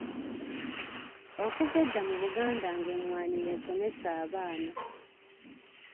Okuva edda mu Buganda ng'emmwanyi y'esomesa abaana.